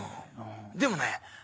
でもね